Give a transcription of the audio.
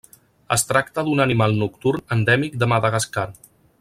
Es tracta d'un animal nocturn endèmic de Madagascar.